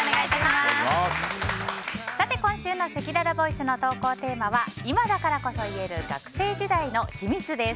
今週のせきららボイスの投稿テーマは今だからこそ言える学生時代の秘密！です。